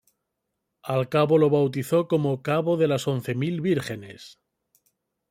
Al cabo lo bautizó como "cabo de las Once mil Vírgenes".